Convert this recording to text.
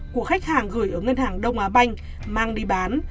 của khách hàng gửi ở ngân hàng đông á banh mang đi bán